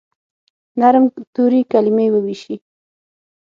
نرم توري، کلیمې وویشي